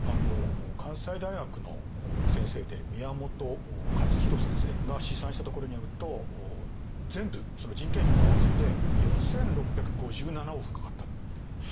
関西大学の先生で宮本勝浩先生が試算したところによると全部人件費も合わせて４，６５７億かかった。